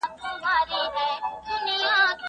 ایا څېړنه د پدیدو حقایق روښانه کوي؟